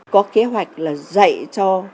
có kế hoạch là dạy cho